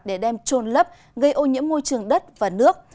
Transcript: để đem trôn lấp gây ô nhiễm môi trường đất và nước